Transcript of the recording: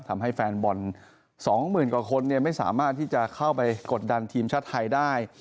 ทำให้แฟนบอล๒๐๐๐กว่าคนไม่สามารถที่จะเข้าไปกดดันทีมชาติไทยได้